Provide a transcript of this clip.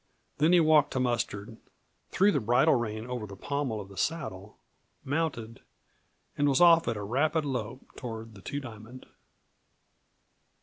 Then he walked to Mustard, threw the bridle rein over the pommel of the saddle, mounted, and was off at a rapid lope toward the Two Diamond.